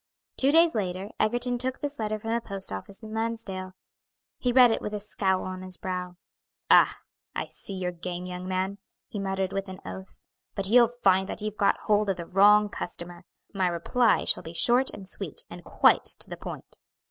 Two days later, Egerton took this letter from the post office in Lansdale. He read it with a scowl on his brow. "Ah! I see your game, young man," he muttered with an oath, "but you'll find that you've got hold of the wrong customer. My reply shall be short and sweet, and quite to the point."